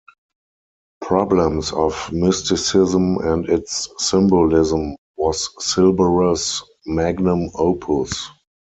"Problems of Mysticism and its Symbolism" was Silberer's "magnum opus".